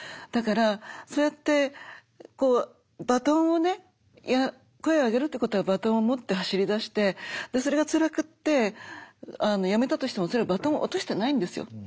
だからそうやってバトンをね声を上げるってことはバトンを持って走りだしてそれがつらくってやめたとしてもそれはバトンを落としてないんですよ。